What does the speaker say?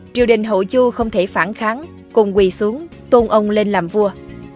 triều đình hậu chu không thể phản kháng cùng quỳ xuống tôn ông lên làm vua